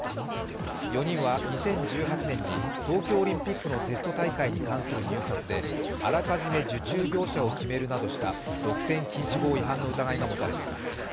４人は２０１８年に東京オリンピックのテスト大会に関する入札であらかじめ受注業者を決めるなどした独占禁止法違反の疑いが持たれています。